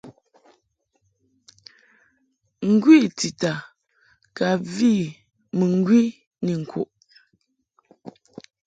Ngwi tita ka vi mɨŋgwi ni ŋkuʼ.